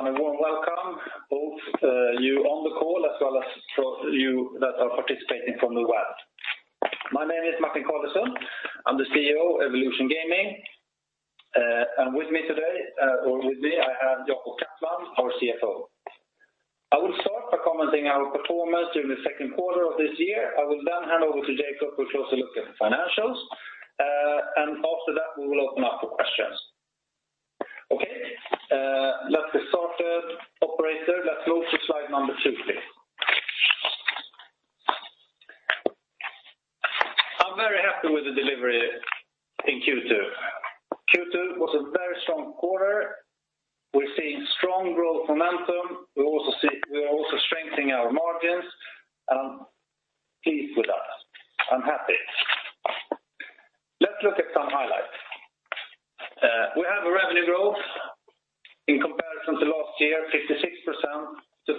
A warm welcome, both you on the call as well as for you that are participating from the web. My name is Martin Carlesund. I'm the CEO, Evolution. With me today, or with me, I have Jacob Kaplan, our CFO. I will start by commenting our performance during the second quarter of this year. I will then hand over to Jacob, who will closely look at the financials. After that, we will open up for questions. Okay. Let's get started. Operator, let's go to slide number two, please. I'm very happy with the delivery in Q2. Q2 was a very strong quarter. We're seeing strong growth momentum. We are also strengthening our margins. I'm pleased with that. I'm happy. Let's look at some highlights. We have a revenue growth in comparison to last year, 56% to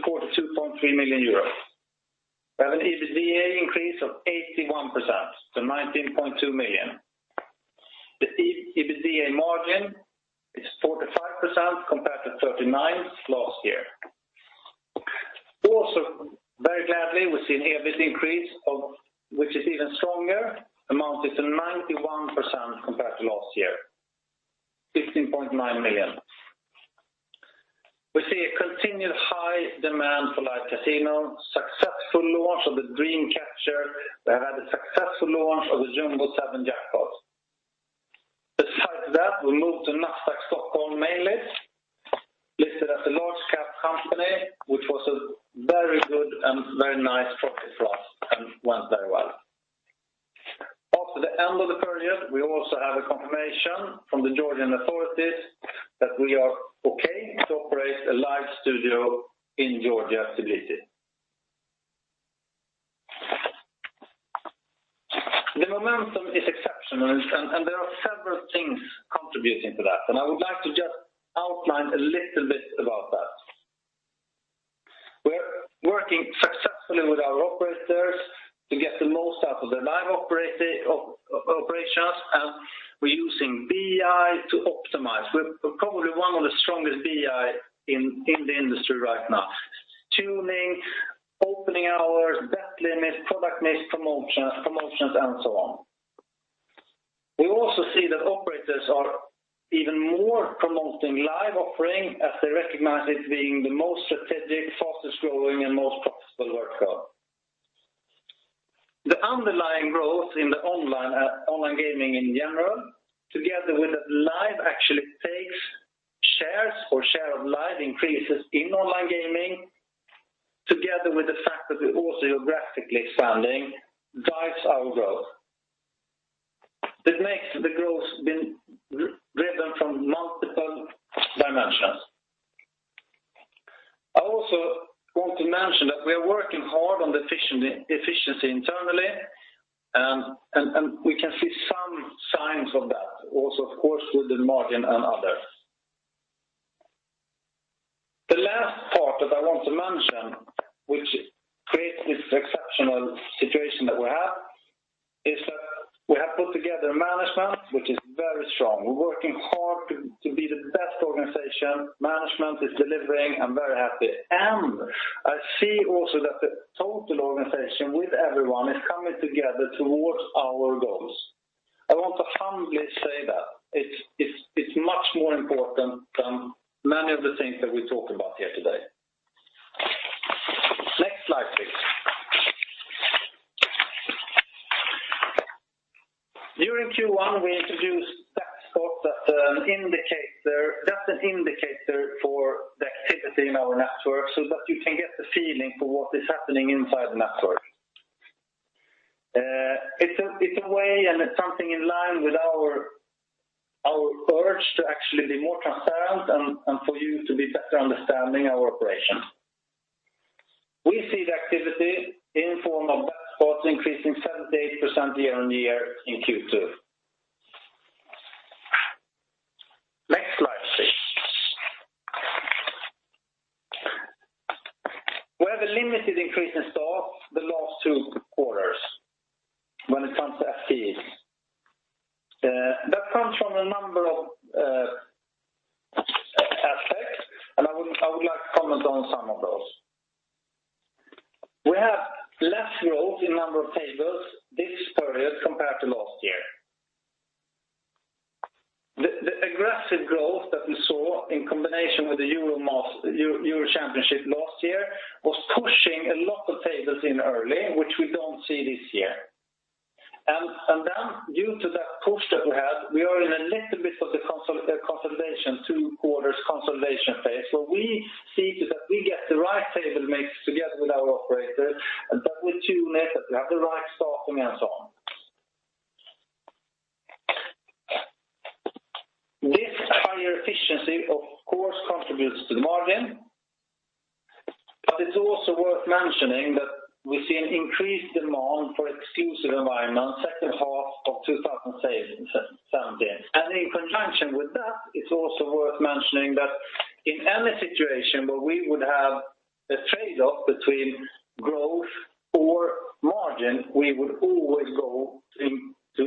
42.3 million euros. We have an EBITDA increase of 81% to 19.2 million. The EBITDA margin is 45% compared to 39% last year. Also, very gladly, we've seen EBIT increase, which is even stronger, amounting to 91% compared to last year, 15.9 million. We see a continued high demand for live casino, successful launch of the Dream Catcher. We have had a successful launch of the Jumbo 7 Jackpot. Besides that, we moved to Nasdaq Stockholm main list, listed as a large cap company, which was a very good and very nice process for us and went very well. After the end of the period, we also have a confirmation from the Georgian authorities that we are okay to operate a live studio in Georgia, Tbilisi. The momentum is exceptional, there are several things contributing to that. I would like to just outline a little bit about that. We're working successfully with our operators to get the most out of the live operations, and we're using BI to optimize. We're probably one of the strongest BI in the industry right now. Tuning, opening hours, bet limits, product mix, promotions, and so on. We also see that operators are even more promoting live offering as they recognize it being the most strategic, fastest-growing, and most profitable vertical. The underlying growth in the online gaming in general, together with that live actually takes shares or share of live increases in online gaming together with the fact that we're also geographically expanding, guides our growth. It makes the growth driven from multiple dimensions. I also want to mention that we are working hard on the efficiency internally, and we can see some signs of that. Also, of course, with the margin and others. The last part that I want to mention, which creates this exceptional situation that we have, is that we have put together management which is very strong. We're working hard to be the best organization. Management is delivering. I'm very happy. I see also that the total organization with everyone is coming together towards our goals. I want to humbly say that. It's much more important than many of the things that we talk about here today. Next slide, please. During Q1, we introduced bet spots as an indicator for the activity in our network so that you can get the feeling for what is happening inside the network. It's a way and it's something in line with our urge to actually be more transparent and for you to be better understanding our operation. We see the activity in form of bet spots increasing 78% year-on-year in Q2. Next slide, please. We have a limited increase in staff the last two quarters when it comes to FTEs. I would like to comment on some of those. We have less growth in number of tables this period compared to last year. The aggressive growth that we saw in combination with the Euro Championship last year was pushing a lot of tables in early, which we don't see this year. Due to that push that we had, we are in a little bit of the consolidation, two quarters consolidation phase, where we see to that we get the right table mix together with our operators, that we tune it, that we have the right staffing and so on. This higher efficiency, of course, contributes to the margin. It's also worth mentioning that we see an increased demand for exclusive environments second half of 2017. In conjunction with that, it's also worth mentioning that in any situation where we would have a trade-off between growth or margin, we would always go to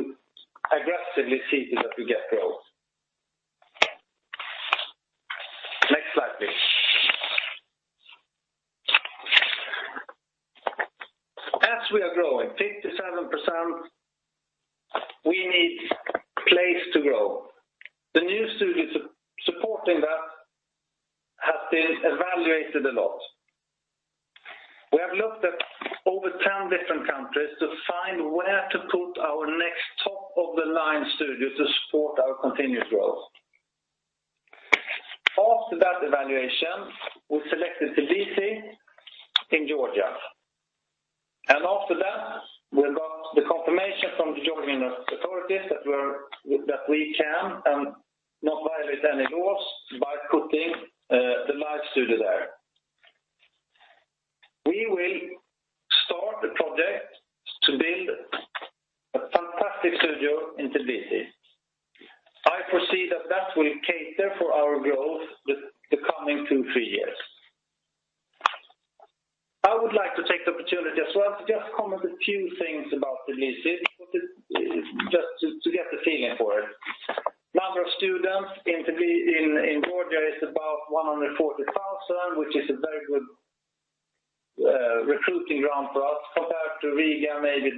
aggressively seeking that we get growth. Next slide, please. As we are growing 57%, we need place to grow. The new studio supporting that has been evaluated a lot. We have looked at over 10 different countries to find where to put our next top-of-the-line studio to support our continuous growth. After that evaluation, we selected Tbilisi in Georgia. After that, we got the confirmation from the Georgian authorities that we can and not violate any laws by putting the live studio there. We will start the project to build a fantastic studio in Tbilisi. I foresee that that will cater for our growth with the coming two, three years. I would like to take the opportunity as well to just comment a few things about Tbilisi, just to get the feeling for it. Number of students in Georgia is about 140,000, which is a very good recruiting ground for us compared to Riga, maybe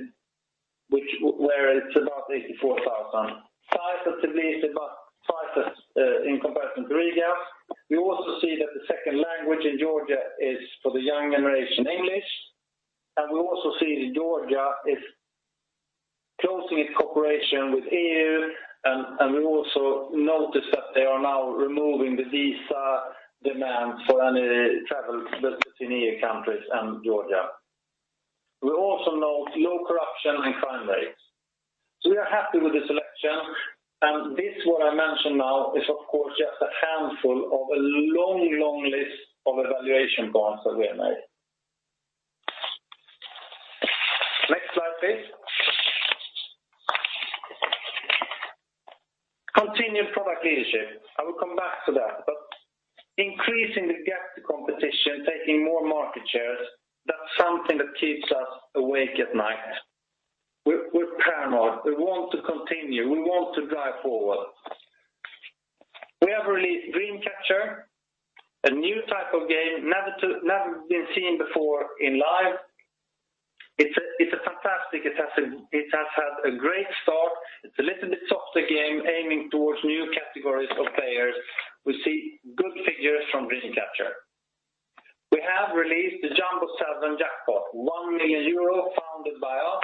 where it's about 84,000. Size of Tbilisi about twice as in comparison to Riga. We also see that the second language in Georgia is, for the young generation, English. We also see Georgia is closing its cooperation with EU, we also notice that they are now removing the visa demands for any travel between EU countries and Georgia. We also note low corruption and crime rates. We are happy with the selection, this what I mentioned now is of course just a handful of a long list of evaluation points that we have made. Next slide, please. Continued product leadership. I will come back to that, increasing the gap to competition, taking more market shares, that's something that keeps us awake at night. We're paranoid. We want to continue. We want to drive forward. We have released Dream Catcher, a new type of game, never been seen before in live. It's fantastic. It has had a great start. It's a little bit softer game, aiming towards new categories of players. We see good figures from Dream Catcher. We have released the Jumbo 7 Jackpot, 1 million euro funded by us,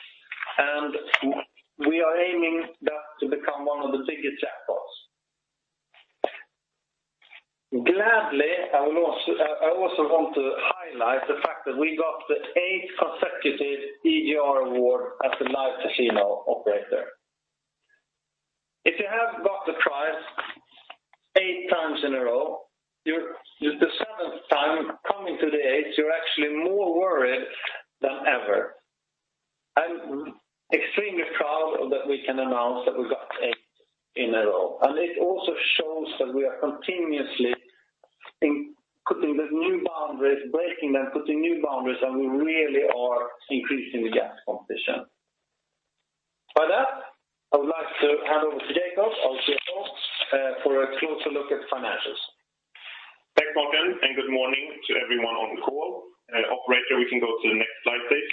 we are aiming that to become one of the biggest jackpots. Gladly, I also want to highlight the fact that we got the 8 consecutive EGR award as the Live Casino Operator. If you have got the prize 8 times in a row, the seventh time coming to the eighth, you're actually more worried than ever. I'm extremely proud that we can announce that we got 8 in a row. It also shows that we are continuously putting the new boundaries, breaking them, putting new boundaries, and we really are increasing the gap to competition. By that, I would like to hand over to Jacob, our CFO, for a closer look at financials. Thanks, Martin, and good morning to everyone on the call. Operator, we can go to the next slide, please.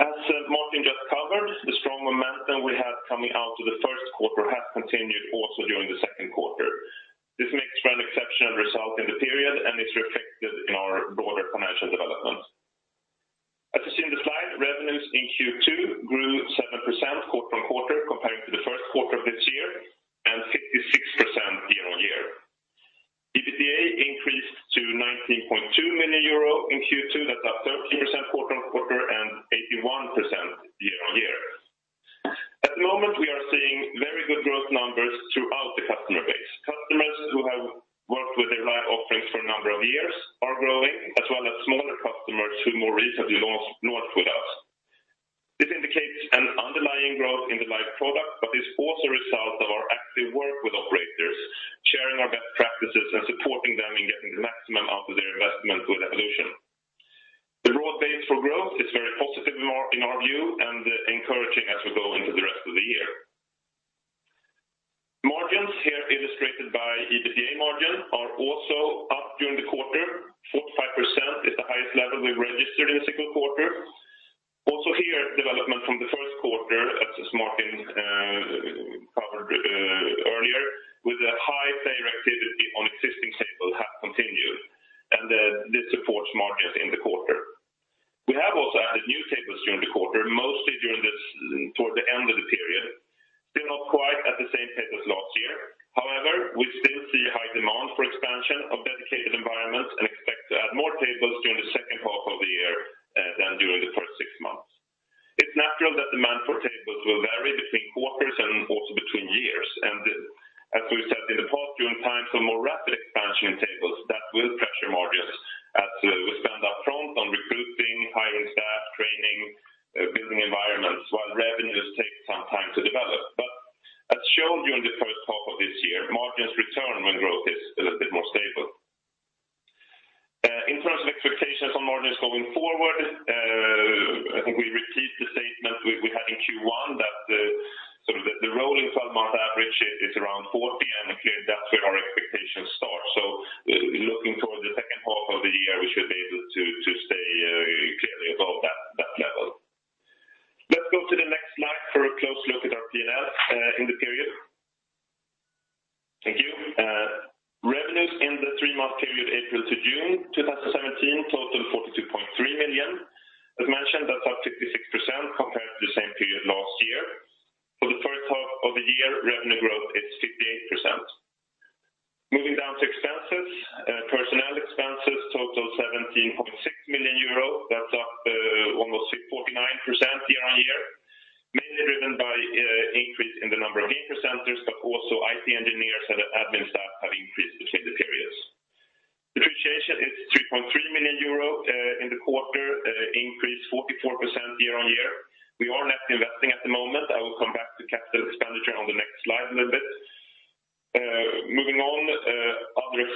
As Martin just covered, the strong momentum we had coming out of the first quarter has continued also during the second quarter. This makes for an exceptional result in the period, and it's reflected in our broader financial development. As you see in the slide, revenues in Q2 grew 7% quarter-on-quarter compared to the first quarter of this year and 56% year-on-year. EBITDA increased to 19.2 million euro in Q2. That's up 13% quarter-on-quarter and 81% year-on-year. At the moment, we are seeing very good growth numbers throughout the customer base. Customers who have worked with their Live offerings for a number of years are growing, as well as smaller customers who more recently launched with us. This indicates an underlying growth in the Live product, but it's also a result of our active work with operators, sharing our best practices and supporting them in getting the maximum out of their investment with Evolution. The broad base for growth is very positive in our view and encouraging as we go into the rest of the year. Margins here illustrated by EBITDA margin are also up during the quarter. 45% is the highest level we've registered in a single quarter. Also here, development from the first quarter, as Martin covered earlier, with a high player activity on existing table has continued, and this supports margins in the quarter. We have also added new tables during the quarter, mostly toward the end of the period. Still not quite at the same pace as last year. However, we still see high demand for expansion of dedicated environments and expect to add more tables during the second half of the year than during the first six months. It's natural that demand for tables will vary between quarters and also between years. As we said in the past, during times of more rapid expansion in tables, that will pressure margins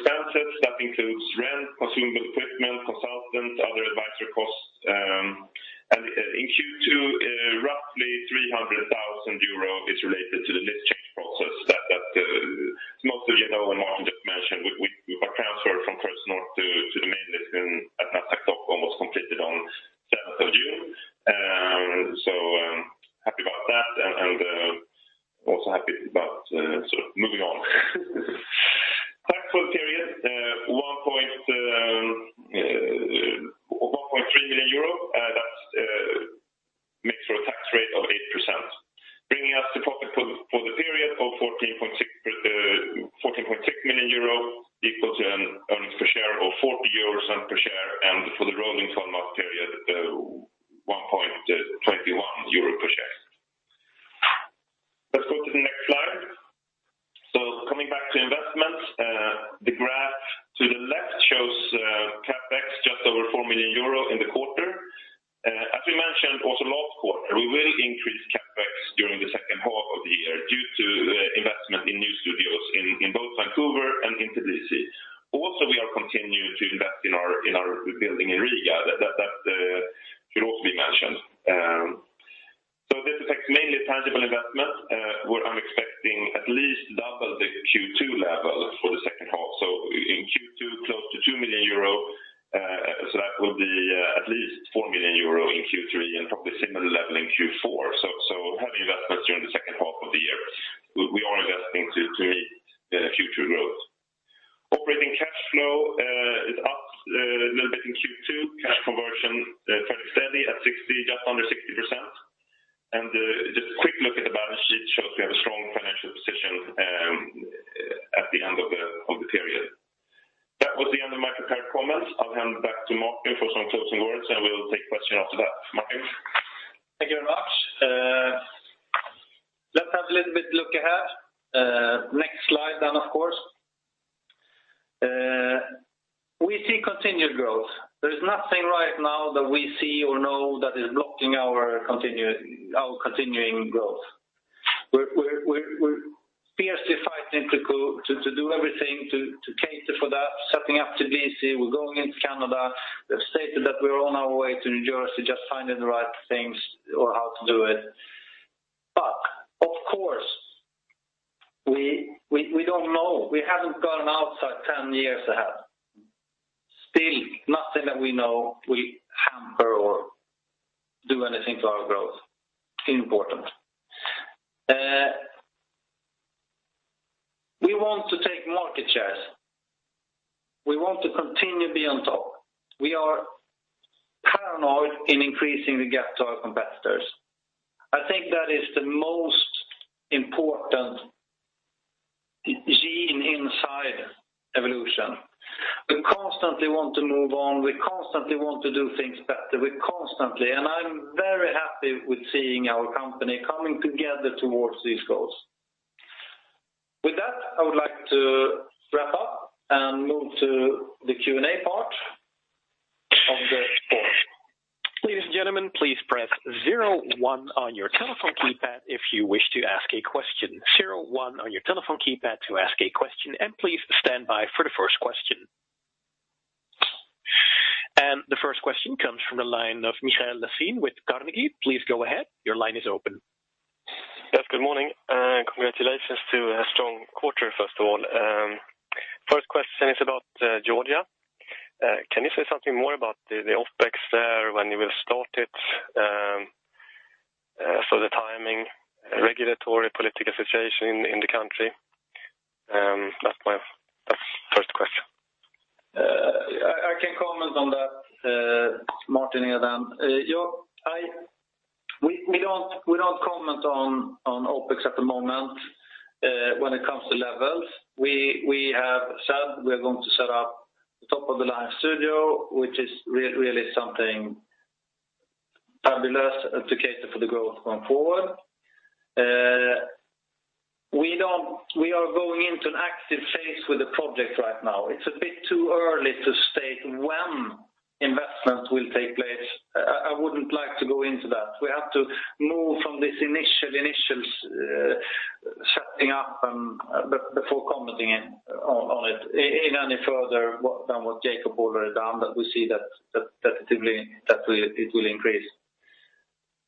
other expenses, that includes rent, consumable equipment, consultants, other advisory costs. In Q2, roughly 300,000 euro is related to the list change process that most of you know, In Q2, close to 2 million euro, that will be at least 4 million euro in Q3 and probably similar level in Q4. Heavy investments during the second half of the year. We are investing to meet future growth. Operating cash flow is up a little bit in Q2. Cash conversion, fairly steady at 60%, just under 60%. Just a quick look at the balance sheet shows we have a strong financial position at the end of the period. That was the end of my prepared comments. I'll hand back to Martin for some closing words, and we'll take questions after that. Martin? Thank you very much. Let's have a little bit look ahead. Next slide, of course. We see continued growth. There is nothing right now that we see or know that is blocking our continuing growth. We're fiercely fighting to do everything to cater for that, setting up Tbilisi, we're going into Canada. We've stated that we're on our way to New Jersey, just finding the right things or how to do it. Of course, we don't know. We haven't gone outside 10 years ahead. Still, nothing that we know will hamper or do anything to our growth. Important. We want to take market shares. We want to continue to be on top. We are paranoid in increasing the gap to our competitors. I think that is the most important gene inside Evolution. We constantly want to move on. We constantly want to do things better. We constantly. I'm very happy with seeing our company coming together towards these goals. With that, I would like to wrap up and move to the Q&A part of the call. Ladies and gentlemen, please press 01 on your telephone keypad if you wish to ask a question. 01 on your telephone keypad to ask a question. Please stand by for the first question. The first question comes from the line of Michael Lacin with Carnegie. Please go ahead. Your line is open. Yes, good morning. Congratulations to a strong quarter, first of all. First question is about Georgia. Can you say something more about the OpEx there, when you will start it? The timing, regulatory political situation in the country. That's first question. I can comment on that. Martin here. We don't comment on OpEx at the moment when it comes to levels. We have said we are going to set up a top-of-the-line studio, which is really something fabulous to cater for the growth going forward. We are going into an active phase with the project right now. It's a bit too early to state when investments will take place. I wouldn't like to go into that. We have to move from this initial stepping up before commenting on it any further than what Jacob already done, but we see that it will increase.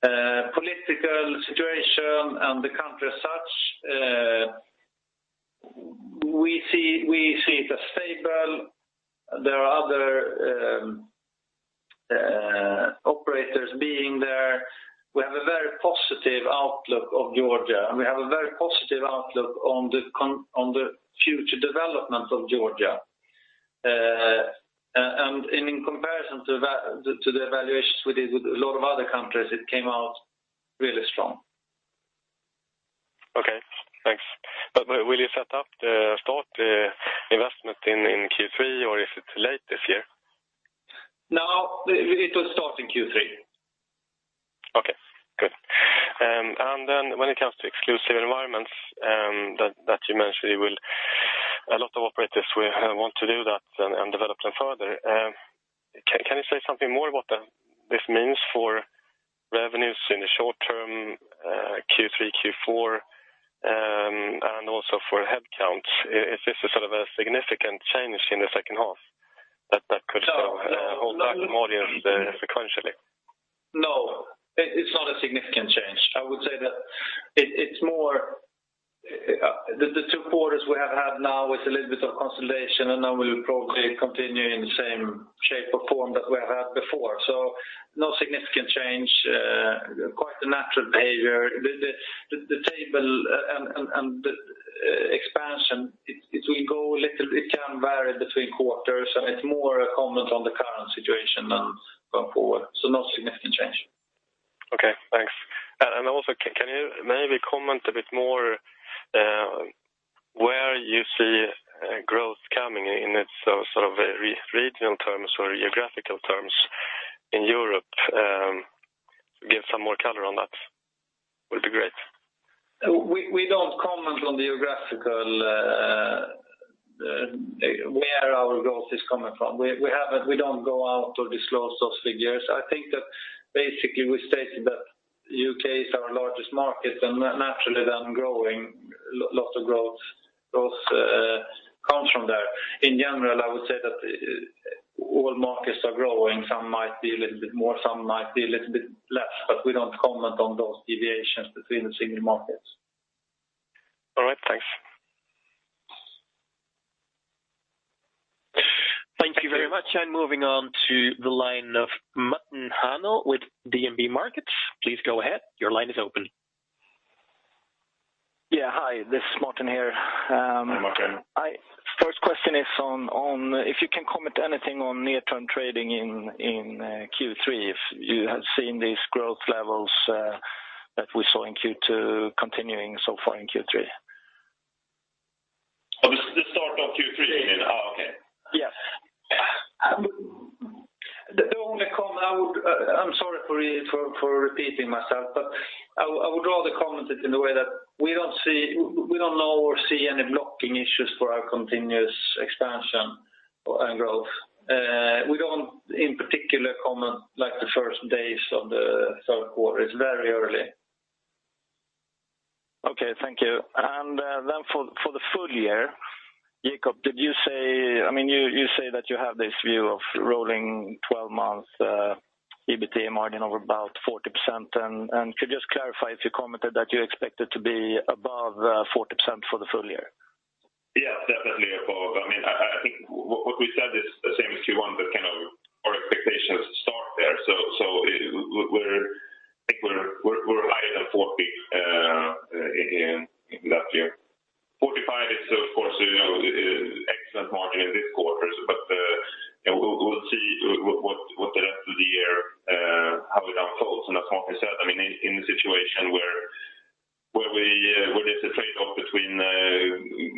Political situation, the country as such, we see it as stable. There are other operators being there. We have a very positive outlook of Georgia, and we have a very positive outlook on the future development of Georgia. In comparison to the evaluations we did with a lot of other countries, it came out really strong. Okay, thanks. Will you set up the start investment in Q3, or is it late this year? No, it will start in Q3. Okay, good. When it comes to exclusive environments that you mentioned, a lot of operators want to do that and develop them further. Can you say something more what this means for revenues in the short term, Q3, Q4, and also for headcounts? Is this a significant change in the second half that could hold back more sequentially? No, it is not a significant change. I would say that it is more the two quarters we have had now with a little bit of consolidation, and then we will probably continue in the same shape or form that we have had before. No significant change. Quite the natural behavior. The table and the expansion, it can vary between quarters, and it is more a comment on the current situation than going forward. No significant change. Okay, thanks. Can you maybe comment a bit more where you see growth coming in regional terms or geographical terms in Europe? Give some more color on that would be great. We do not comment on geographical, where our growth is coming from. We do not go out or disclose those figures. I think that basically we stated that U.K. is our largest market, and naturally then lots of growth comes from there. In general, I would say that all markets are growing. Some might be a little bit more, some might be a little bit less, but we do not comment on those deviations between the single markets. All right, thanks. Thank you very much. Moving on to the line of Martin Arnell with DNB Markets. Please go ahead. Your line is open. Yeah. Hi, this is Martin here. Hi, Martin. First question is if you can comment anything on near-term trading in Q3, if you have seen these growth levels that we saw in Q2 continuing so far in Q3. The start of Q3, you mean? Okay. Yes. The only comment, I'm sorry for repeating myself, I would rather comment it in the way that we don't know or see any blocking issues for our continuous expansion and growth. We don't, in particular, comment the first days of the third quarter. It's very early. Okay, thank you. Then for the full year, Jacob, you say that you have this view of rolling 12 months EBITDA margin of about 40%. Could you just clarify if you commented that you expect it to be above 40% for the full year? Yes, definitely. I think what we said is the same as Q1. Our expectations start there. I think we're higher than 40 in that year. 45 is of course excellent margin in this quarter. We'll see what the rest of the year, how it unfolds. As Martin said, in the situation where there's a trade-off between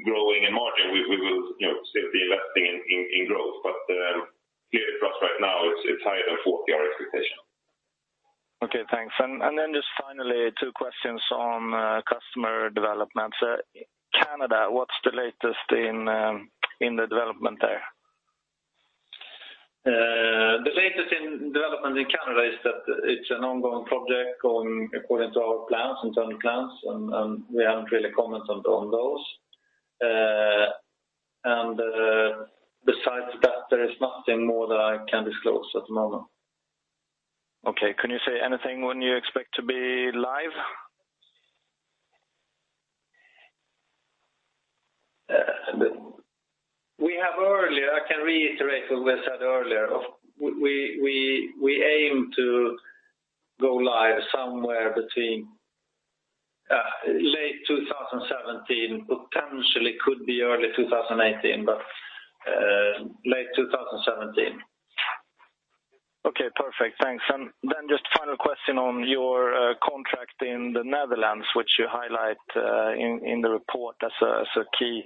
growing and margin, we will still be investing in growth. Clear for us right now, it's higher than 40, our expectation. Okay, thanks. Just finally, two questions on customer development. Canada, what's the latest in the development there? The latest in development in Canada is that it's an ongoing project going according to our plans, internal plans. We haven't really commented on those. Besides that, there is nothing more that I can disclose at the moment. Okay. Can you say anything when you expect to be live? I can reiterate what we said earlier. We aim to go live somewhere between late 2017. Potentially could be early 2018, but late 2017. Okay, perfect. Thanks. Then just final question on your contract in the Netherlands, which you highlight in the report as a key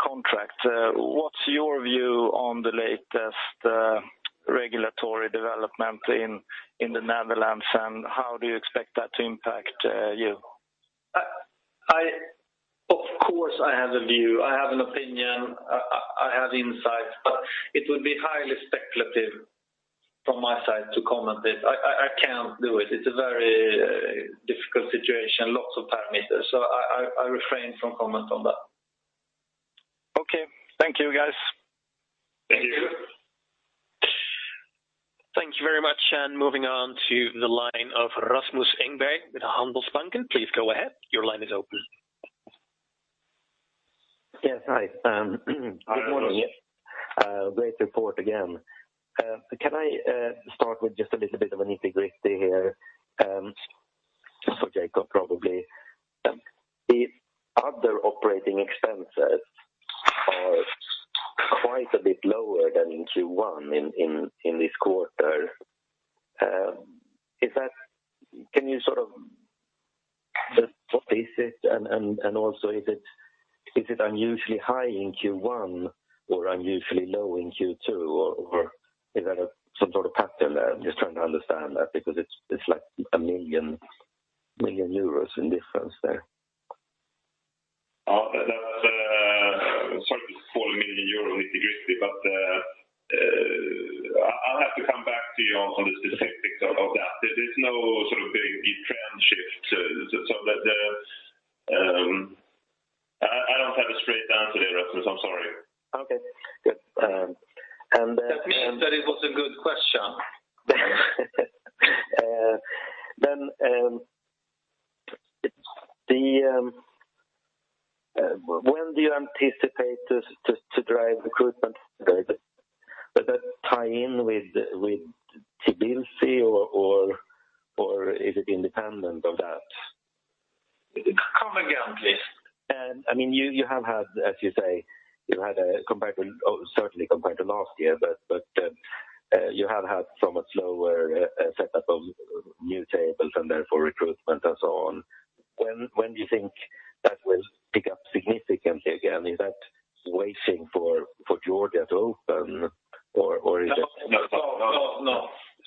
contract. What's your view on the latest regulatory development in the Netherlands, and how do you expect that to impact you? Of course, I have a view. I have an opinion. I have insights, but it would be highly speculative from my side to comment it. I can't do it. It's a very difficult situation. Lots of parameters. I refrain from comment on that. Okay. Thank you, guys. Thank you. Thank you very much. Moving on to the line of Rasmus Engberg with Handelsbanken. Please go ahead. Your line is open. Yes. Hi. Good morning. Hi, Rasmus. Great report again. Can I start with just a little bit of a nitty-gritty here? For Jacob, probably. The other operating expenses are quite a bit lower than in Q1 in this quarter. Can you sort of just what is it, and also is it unusually high in Q1 or unusually low in Q2, or is that some sort of pattern there? I'm just trying to understand that because it's like 1 million in difference there. That sort of small million EUR nitty-gritty, but I'll have to come back to you on the specifics of that. There is no sort of big trend shift. I don't have a straight answer there, Rasmus. I'm sorry. Okay, good. That means that it was a good question. When do you anticipate to drive recruitment? Would that tie in with Tbilisi or is it independent of that? Come again, please. You have had, as you say, certainly compared to last year, you have had somewhat slower setup of new tables and therefore recruitment and so on. When do you think that will pick up significantly again? Is that waiting for Georgia to open or? No,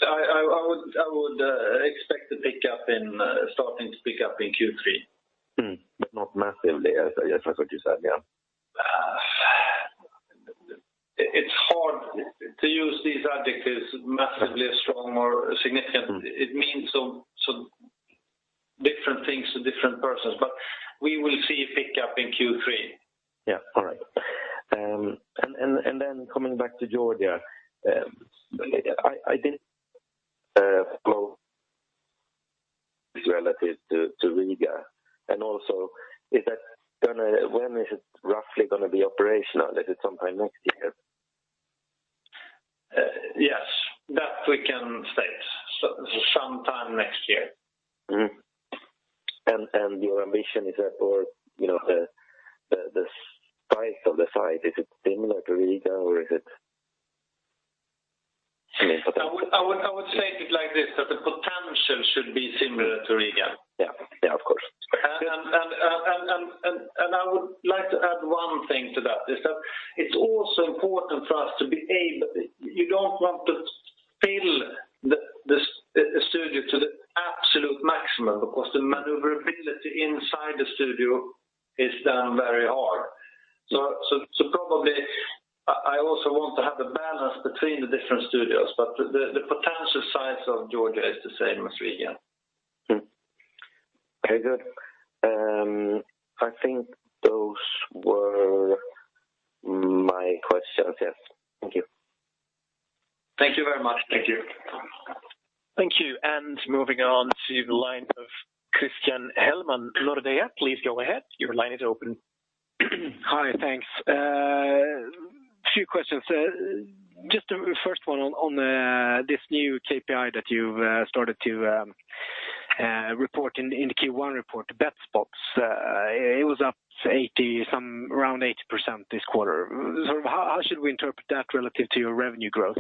I would expect it starting to pick up in Q3. Not massively, is that what you said, yeah? It's hard to use these adjectives, massively, strong, or significant. It means different things to different persons, we will see a pick up in Q3. Yeah. All right. Then coming back to Georgia, I didn't relative to Riga. Also when is it roughly going to be operational? Is it sometime next year? Yes. That we can state. Sometime next year. Your ambition is that for the size of the site, is it similar to Riga or is it significant? I would state it like this, that the potential should be similar to Riga. Yeah, of course. I would like to add one thing to that, is that it's also important for us. You don't want to fill the studio to the absolute maximum because the maneuverability inside the studio is then very hard. Probably I also want to have a balance between the different studios, but the potential size of Georgia is the same as Riga. Okay, good. I think those were my questions. Yes. Thank you. Thank you very much. Thank you. Moving on to the line of Christian Hellman, Nordea. Please go ahead. Your line is open. Hi. Thanks. Few questions. Just the first one on this new KPI that you've started to report in the Q1 report, the bet spots. It was up around 80% this quarter. How should we interpret that relative to your revenue growth?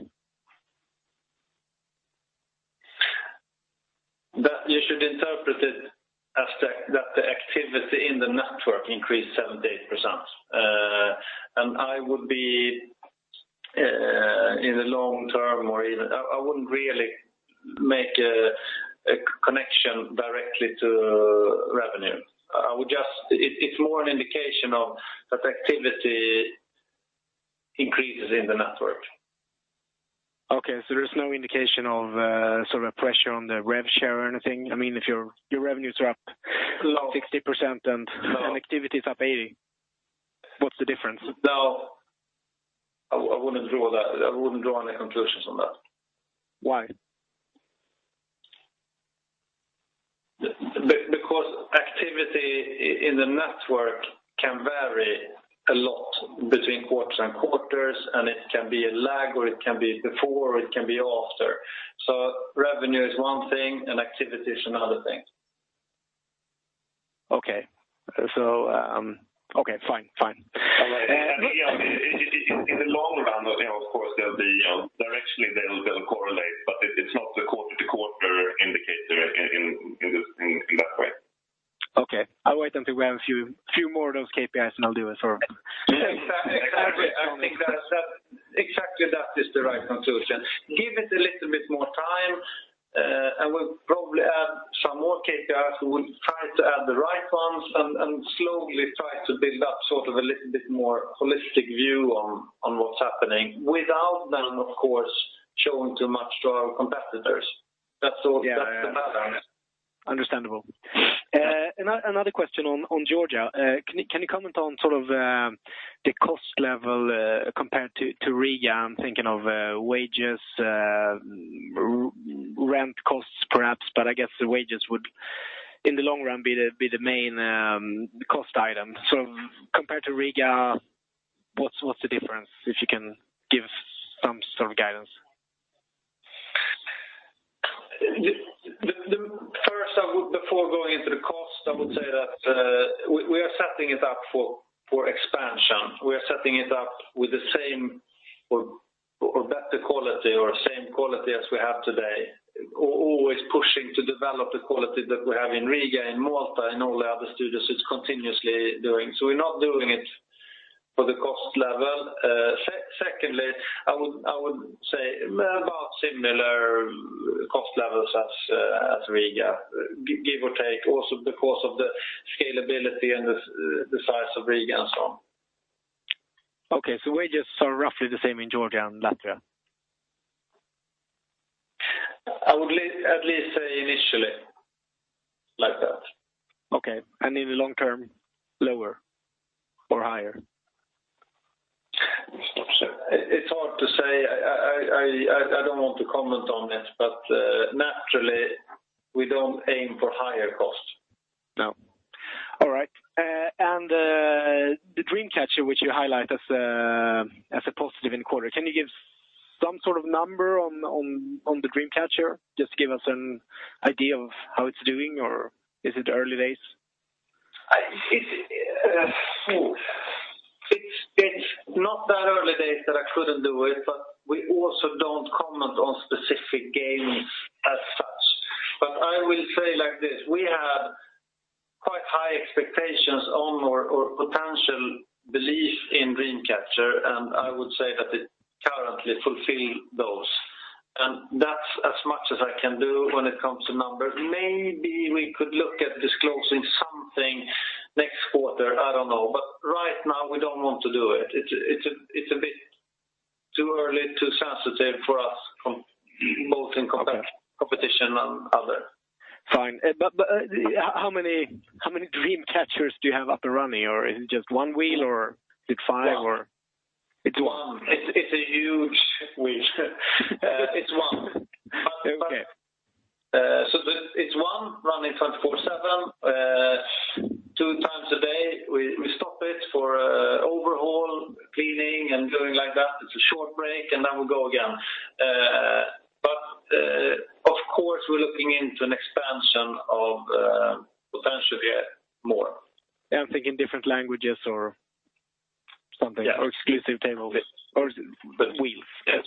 You should interpret it as that the activity in the network increased 78%. I would be in the long term, I wouldn't really make a connection directly to revenue. It's more an indication of that activity increases in the network. Okay. There is no indication of pressure on the rev share or anything? If your revenues are up- No 60% and- No activity is up 80%, what's the difference? No. I wouldn't draw any conclusions from that. Why? Activity in the network can vary a lot between quarters and quarters, and it can be a lag, or it can be before, or it can be after. Revenue is one thing and activity is another thing. Okay. Fine. In the long run, of course, directionally they'll correlate, but it's not the quarter to quarter indicator in that way. Okay. I'll wait until we have a few more of those KPIs. I'll do a sort of average on them. Exactly. I think exactly that is the right conclusion. Give it a little bit more time. We'll probably add some more KPIs. We will try to add the right ones and slowly try to build up a little bit more holistic view on what's happening without them, of course, showing too much to our competitors. That's the balance. Understandable. Another question on Georgia. Can you comment on the cost level compared to Riga? I'm thinking of wages, rent costs, perhaps, but I guess the wages would, in the long run, be the main cost item. Compared to Riga, what's the difference, if you can give some sort of guidance? First, before going into the cost, I would say that we are setting it up for expansion. We are setting it up with the same or better quality, or same quality as we have today. Always pushing to develop the quality that we have in Riga, in Malta, in all the other studios it's continuously doing. We're not doing it for the cost level. Secondly, I would say about similar cost levels as Riga, give or take, also because of the scalability and the size of Riga and so on. Okay. wages are roughly the same in Georgia and Latvia? I would at least say initially like that. Okay. in the long term, lower or higher? It's hard to say. I don't want to comment on it, but naturally, we don't aim for higher costs. No. All right. The Dream Catcher, which you highlight as a positive in the quarter, can you give some sort of number on the Dream Catcher? Just give us an idea of how it's doing, or is it early days? It's not that early days that I couldn't do it, we also don't comment on specific games as such. I will say it like this, we had quite high expectations on, or potential belief in Dream Catcher, I would say that it currently fulfills those. That's as much as I can do when it comes to numbers. Maybe we could look at disclosing something next quarter, I don't know. Right now we don't want to do it. It's a bit too early, too sensitive for us, both in competition and other. Fine. How many Dream Catchers do you have up and running, or is it just one wheel or is it five? One. It's one. It's a huge wheel. It's one. Okay. It's one running 24/7. Two times a day, we stop it for overhaul, cleaning, and doing like that. It's a short break, and then we go again. Of course, we're looking into an expansion of potentially more. Thinking different languages or something. Yeah Exclusive tables or wheels. Yes.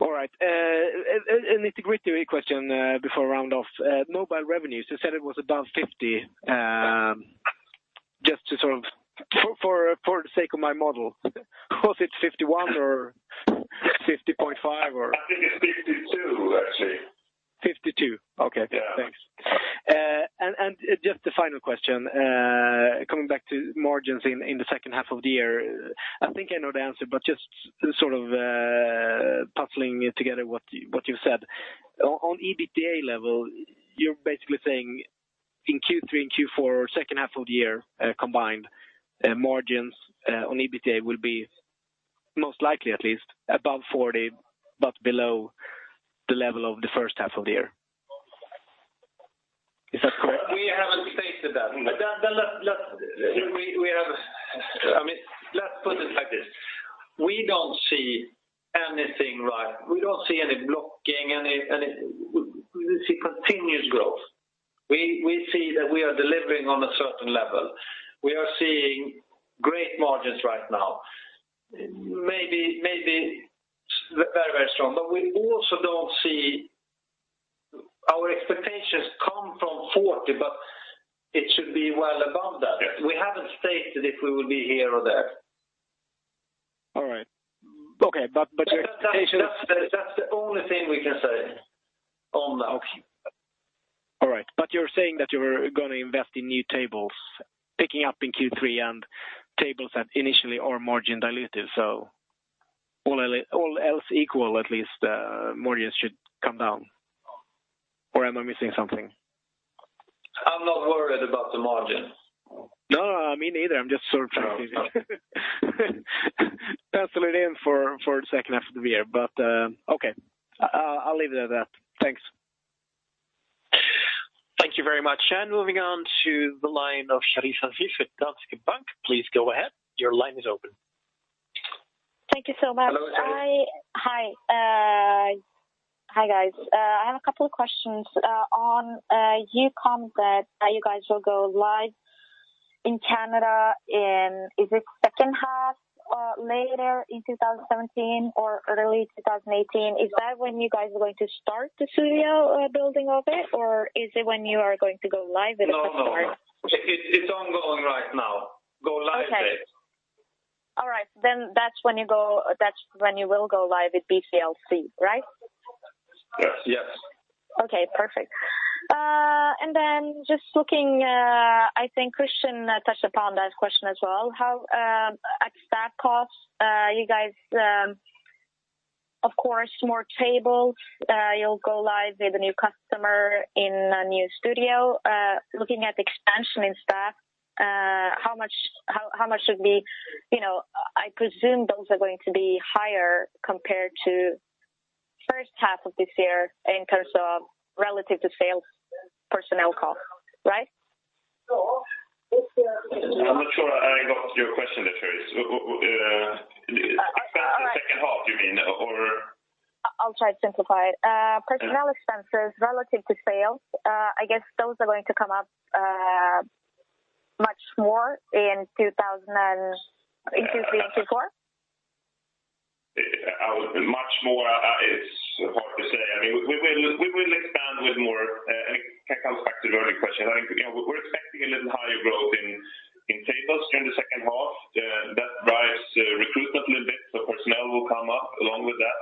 Right. An integrity question before I round off. Mobile revenues, you said it was above 50%. Just for the sake of my model, was it 51% or 50.5% or? I think it's 52%, actually. 52%. Okay. Yeah. Thanks. Just a final question, coming back to margins in the second half of the year. I think I know the answer, but just sort of puzzling together what you've said. On EBITDA level, you're basically saying in Q3 and Q4, or second half of the year combined, margins on EBITDA will be most likely at least above 40%, but below the level of the first half of the year. Is that correct? We haven't stated that. Let's put it like this. We don't see any blocking. We see continuous growth. We see that we are delivering on a certain level. We are seeing great margins right now. Maybe very strong. Our expectations come from 40%, it should be well above that. Yes. We haven't stated if we will be here or there. All right. Okay. Your expectation is- That's the only thing we can say on the option. All right. You're saying that you are going to invest in new tables, picking up in Q3, and tables that initially are margin dilutive. All else equal, at least, margins should come down. Am I missing something? I'm not worried about the margins. No, me neither. I'm just sort of. No I'm penciling in for the second half of the year, okay. I'll leave it at that. Thanks. Thank you very much. Moving on to the line of Christer Fåhraeus with Danske Bank. Please go ahead. Your line is open. Thank you so much. Hello, Christer. Hi, guys. I have a couple of questions. On you come that you guys will go live in Canada in, is it second half or later in 2017 or early 2018? Is that when you guys are going to start the studio building of it, or is it when you are going to go live with the first part? No. It's ongoing right now. Go-live date That's when you will go live with BCLC, right? Yes. Okay, perfect. Just looking, I think Christian touched upon that question as well. How at staff costs, you guys, of course, more tables, you'll go live with a new customer in a new studio. Looking at expansion in staff, how much I presume those are going to be higher compared to first half of this year in terms of relative to sales personnel costs, right? I'm not sure I got your question there, Christer. Expenses second half, you mean? I'll try to simplify it. Personnel expenses relative to sales, I guess those are going to come up much more in? [inaudible] Much more, it's hard to say. We will expand with more, it comes back to the earlier question. I think we're expecting a little higher growth in tables during the second half. That drives recruitment a little bit, personnel will come up along with that.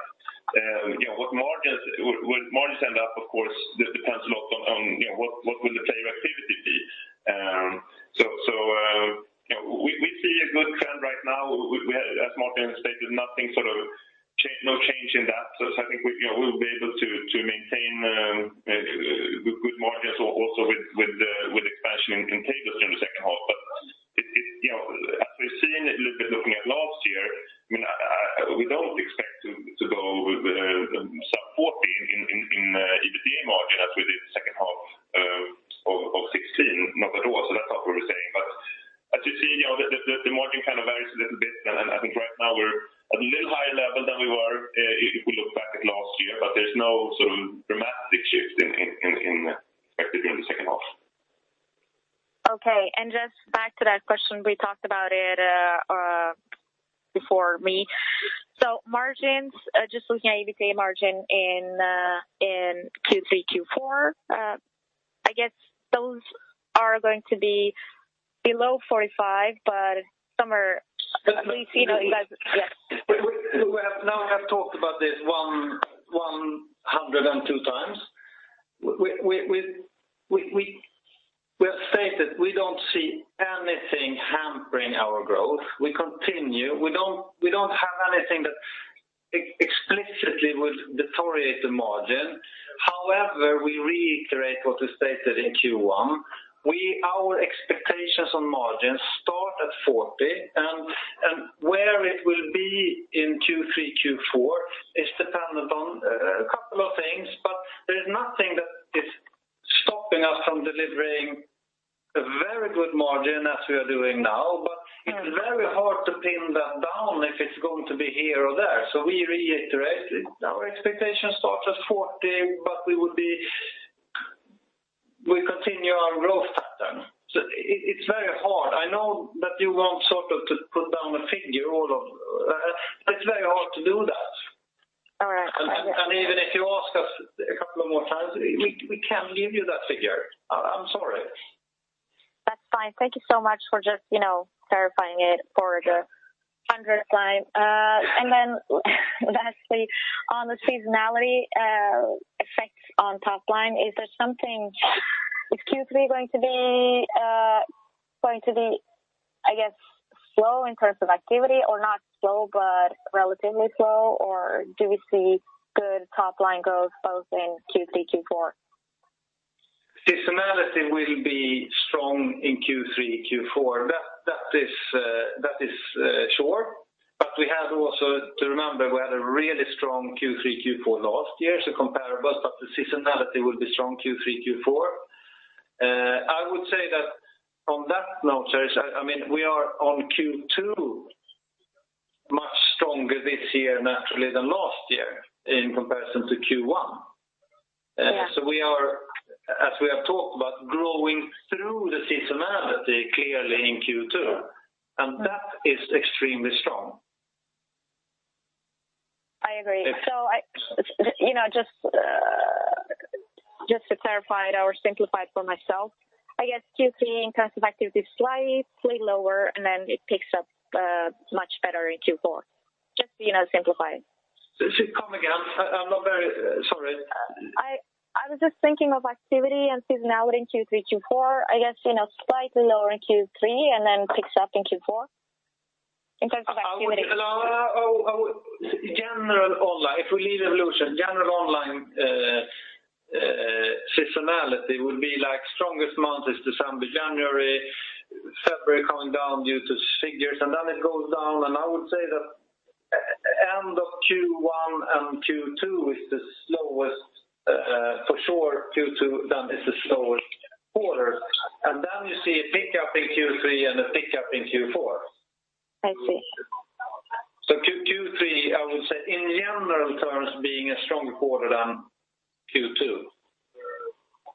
Will margins end up? Of course, this depends a lot on what will the player activity be. We see a good trend right now. As Martin stated, no change in that. I think we will be able to maintain good margins also with expansion in tables during the second half. As we've seen looking at last year, we don't expect to go sub 40 in EBITDA margin as we did the second half of 2016. Not at all. That's not what we're saying. As you see, the margin kind of varies a little bit, I think right now we're at a little higher level than we were if we look back at last year, but there's no sort of dramatic shift expected in the second half. Okay, just back to that question. We talked about it before me. Margins, just looking at EBITDA margin in Q3, Q4, I guess those are going to be below 45, but somewhere at least. We have talked about this 102 times. We have stated we don't see anything hampering our growth. We continue. We don't have anything that explicitly would deteriorate the margin. We reiterate what was stated in Q1. Our expectations on margins start at 40%, where it will be in Q3, Q4 is dependent on a couple of things, there's nothing that is stopping us from delivering a very good margin as we are doing now. It's very hard to pin that down if it's going to be here or there. We reiterate, our expectation starts at 40%, we continue our growth pattern. It's very hard. I know that you want sort of to put down a figure, it's very hard to do that. All right. Even if you ask us a couple of more times, we can't give you that figure. I'm sorry. That's fine. Thank you so much for just clarifying it for the hundredth time. Lastly, on the seasonality effects on top-line, is there something, is Q3 going to be, I guess, slow in terms of activity, or not slow but relatively slow, or do we see good top-line growth both in Q3, Q4? Seasonality will be strong in Q3, Q4. That is sure. We have also to remember we had a really strong Q3, Q4 last year, so comparable. The seasonality will be strong Q3, Q4. I would say that from that note, Christer, we are on Q2 much stronger this year naturally than last year in comparison to Q1. Yeah. We are, as we have talked about, growing through the seasonality clearly in Q2, and that is extremely strong. I agree. Just to clarify it or simplify it for myself, I guess Q3 in terms of activity, slightly lower, and then it picks up much better in Q4. Just to simplify it. Come again. I'm not very, sorry. I was just thinking of activity and seasonality in Q3, Q4. I guess slightly lower in Q3 and then picks up in Q4 in terms of activity. If we leave Evolution, General Online seasonality would be like strongest month is December, January, February coming down due to figures. It goes down, I would say that end of Q1 and Q2 is the slowest for sure, Q2 then is the slowest quarter. You see a pickup in Q3 and a pickup in Q4. I see. Q3, I would say, in general terms, being a stronger quarter than Q2.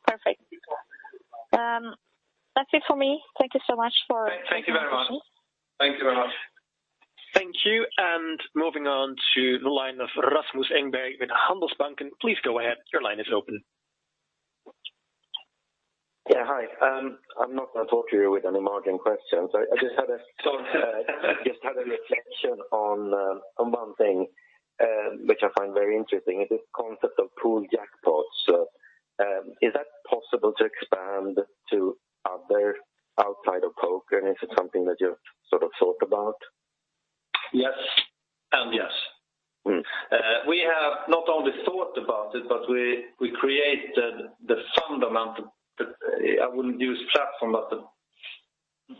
Perfect. That's it for me. Thank you so much for- Thank you very much the presentation. Thank you very much. Thank you. Moving on to the line of Rasmus Engberg with Handelsbanken. Please go ahead. Your line is open. Yeah, hi. I'm not going to talk to you with any margin questions. I just had a reflection on one thing which I find very interesting is this concept of pool jackpots. Is that possible to expand to others outside of poker? Is it something that you have thought about? Yes and yes. We have not only thought about it, but we created the fundament, I wouldn't use platform, but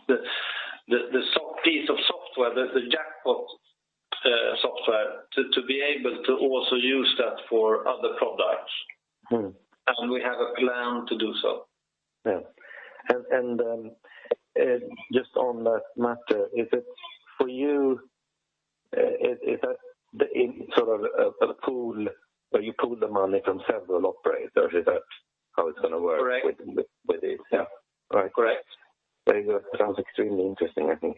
the piece of software, the jackpot software to be able to also use that for other products. We have a plan to do so. Yeah. Just on that matter, is it for you, is that a pool where you pool the money from several operators? Is that how it's going to work? Correct With this? Yeah. Right. Correct. Very good. Sounds extremely interesting, I think.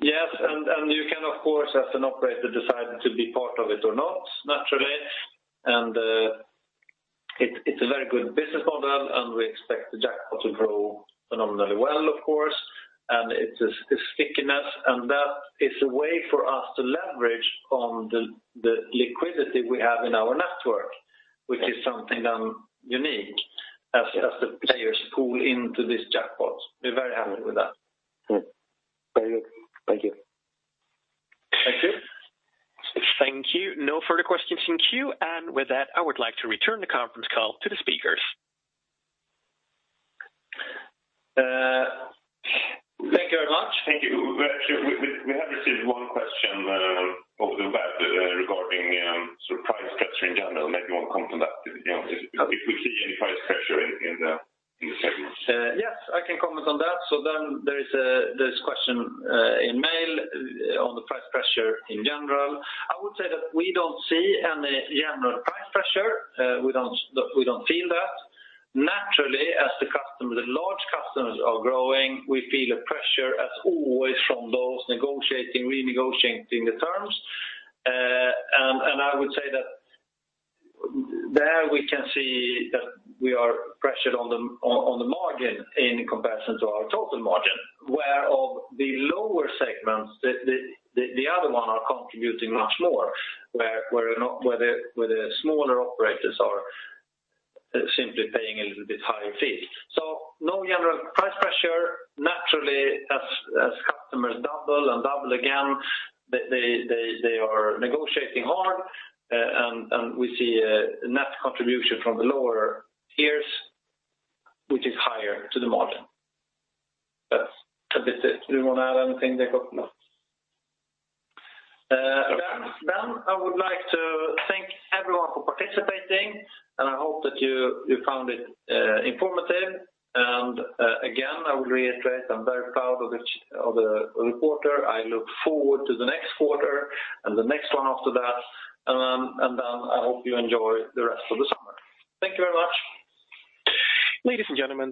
Yes. You can, of course, as an operator, decide to be part of it or not, naturally. It's a very good business model. We expect the jackpot to grow phenomenally well, of course, and its stickiness. That is a way for us to leverage on the liquidity we have in our network- Yes Which is something unique as the players pool into this jackpot. We're very happy with that. Very good. Thank you. Thank you. Thank you. No further questions in queue. With that, I would like to return the conference call to the speakers. Thank you very much. Thank you. We have received one question regarding price pressure in general. Maybe you want to comment on that, if we see any price pressure in the segments. Yes, I can comment on that. There is this question in mail on the price pressure in general. I would say that we don't see any general price pressure. We don't feel that. Naturally, as the large customers are growing, we feel a pressure as always from those negotiating, renegotiating the terms. I would say that there we can see that we are pressured on the margin in comparison to our total margin, where of the lower segments, the other one are contributing much more where the smaller operators are simply paying a little bit higher fee. No general price pressure. Naturally, as customers double and double again, they are negotiating hard, and we see a net contribution from the lower tiers, which is higher to the margin. That's a bit it. Do you want to add anything, Jacob? No. I would like to thank everyone for participating, and I hope that you found it informative. Again, I will reiterate, I'm very proud of the quarter. I look forward to the next quarter and the next one after that. I hope you enjoy the rest of the summer. Thank you very much. Ladies and gentlemen.